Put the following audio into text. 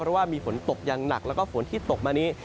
เพราะว่ามีฝนตกอย่างหนักแล้วก็ฝนที่ตกมานี้